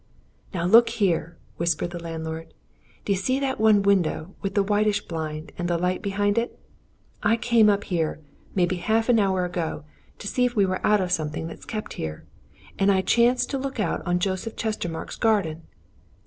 "Now look here!" whispered the landlord. "D'ye see that one window with the whitish blind and the light behind it? I came up here, maybe half an hour ago, to see if we were out of something that's kept here, and I chanced to look out on to Joseph Chestermarke's garden.